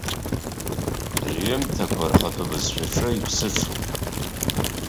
Рҩымҭақәа рхатәы бызшәаҿы иԥсыҽуп.